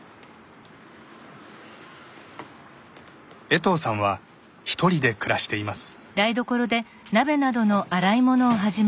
衛藤さんは１人で暮らしています。